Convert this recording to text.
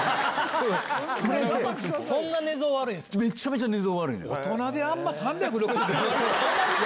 そんな寝相悪いんすか！